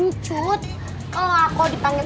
encut kalau aku dipanggil